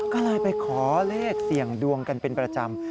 ก็เลยไปขอเลขเสี่ยงดวงกันเป็นประจำ